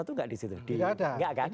nggak di situ nggak ada